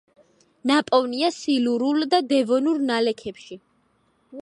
ნაპოვნია სილურულ და დევონურ ნალექებში.